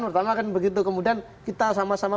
pertama kan begitu kemudian kita sama sama